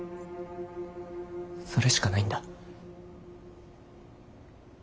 それしかないんだ。